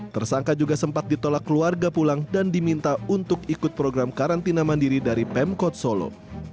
tersangka juga sempat ditolak keluarga pulang dan diminta untuk ikut program karantina mandiri dari pemkot solo